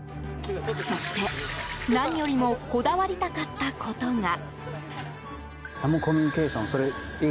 そして、何よりもこだわりたかったことが。